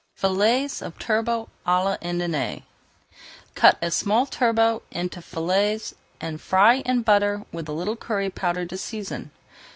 FILLETS OF TURBOT À L'INDIENNE Cut a small turbot into fillets and fry in butter with a little curry powder to season.